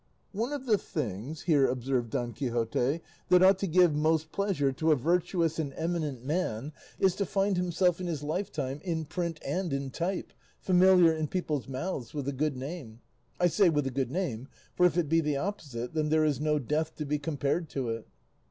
"One of the things," here observed Don Quixote, "that ought to give most pleasure to a virtuous and eminent man is to find himself in his lifetime in print and in type, familiar in people's mouths with a good name; I say with a good name, for if it be the opposite, then there is no death to be compared to it."